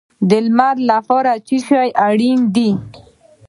د لمر لپاره څه شی اړین دی؟